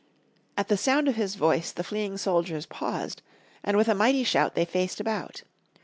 At the sound of his voice the fleeing soldiers paused, and with a mighty shout they faced about.